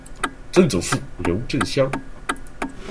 曾祖父刘震乡。